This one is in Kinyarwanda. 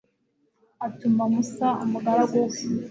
atuma musa, umugaragu we